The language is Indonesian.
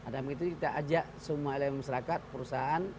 dan begitu kita ajak semua elemen masyarakat perusahaan